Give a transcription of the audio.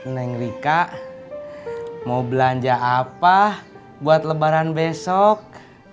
neng rika mau belanja apa buat lebaran besok